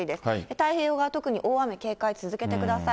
太平洋側、特に大雨警戒続けてください。